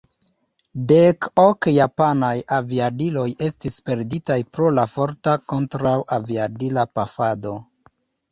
Dek ok japanaj aviadiloj estis perditaj pro la forta kontraŭ-aviadila pafado.